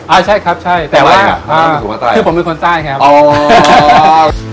อ่าใช่ครับใช่แต่ว่าคือผมเป็นคนใต้ครับอ๋อ